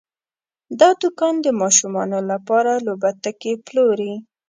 دا دوکان د ماشومانو لپاره لوبتکي پلوري.